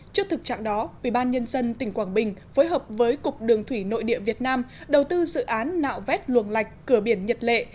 trước thực trạng đó ubnd tỉnh quảng bình phối hợp với cục đường thủy nội địa việt nam đầu tư dự án nạo vét luồng lạch cửa biển nhật lệ